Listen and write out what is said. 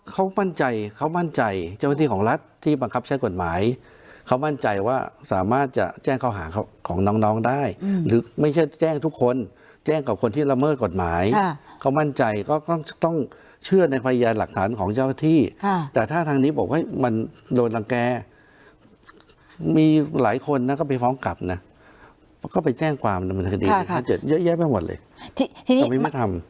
เขามั่นใจเขามั่นใจเจ้าหน้าที่ของรัฐที่บังคับใช้กฎหมายเขามั่นใจว่าสามารถจะแจ้งเขาหาของน้องน้องได้หรือไม่ใช่แจ้งทุกคนแจ้งกับคนที่ละเมิดกฎหมายเขามั่นใจก็ต้องเชื่อในพยานหลักฐานของเจ้าหน้าที่แต่ถ้าทางนี้บอกว่ามันโดนรังแก่มีหลายคนนะก็ไปฟ้องกลับนะก็ไปแจ้งความดำเนินคดีเยอะแยะไปหมดเลยเราไม่มาทำ